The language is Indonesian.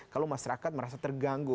kalau masyarakat merasa terganggu